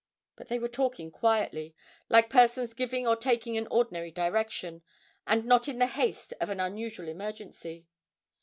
But they were talking quietly, like persons giving or taking an ordinary direction, and not in the haste of an unusual emergency.